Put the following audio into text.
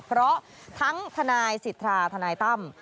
เพราะทั้งทนายสิทธาทนายตั้ม